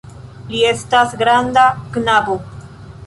Li estas granda knabo.